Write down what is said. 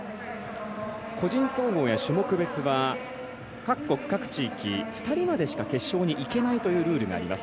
個人総合や種目別は各国、各地域２人までしか決勝にいけないルールがあります。